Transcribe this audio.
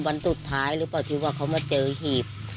วันสุดท้ายหรือเปล่าที่ว่าเขามาเจอหีบ